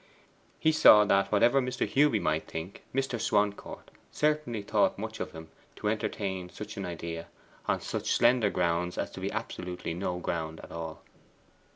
He saw that, whatever Mr. Hewby might think, Mr. Swancourt certainly thought much of him to entertain such an idea on such slender ground as to be absolutely no ground at all.